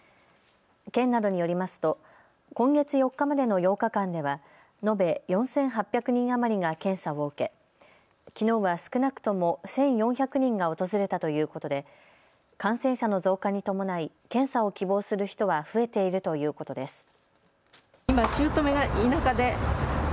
県などによりますと今月４日までの８日間では延べ４８００人余りが検査を受け、きのうは少なくとも１４００人が訪れたということで感染者の増加に伴い検査を希望する人は増えているということです。